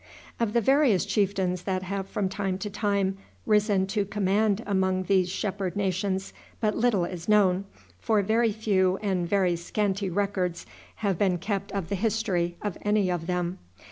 Of the various chieftains that have from time to time risen to command among these shepherd nations but little is known, for very few and very scanty records have been kept of the history of any of them.